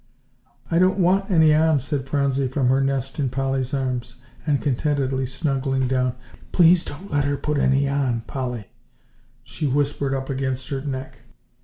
"I don't want any on," said Phronsie from her nest in Polly's arms, and contentedly snuggling down. "Please don't let her put any on, Polly," she whispered up against her neck.